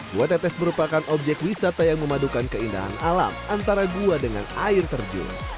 gua tetes merupakan objek wisata yang memadukan keindahan alam antara gua dengan air terjun